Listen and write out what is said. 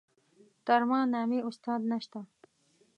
تر ما نامي استاد نشته.